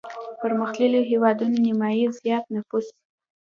پرمختلليو هېوادونو نيمايي زيات نفوس